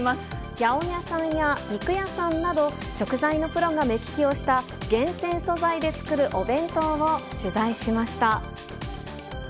八百屋さんや肉屋さんなど、食材のプロが目利きをした厳選素材で作るお弁当を取材しました。